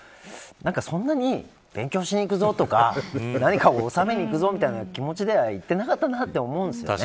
そんなに勉強しに行くぞ、とか何かを修めに行くぞみたいな気持ちでは行ってなかったと思うんですよね。